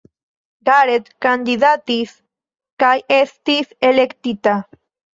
Garrett kandidatis kaj estis elektita.